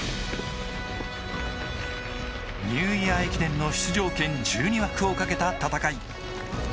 ニューイヤー駅伝の出場権１２枠を懸けた戦い。